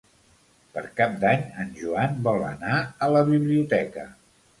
Per Cap d'Any en Joan vol anar a la biblioteca.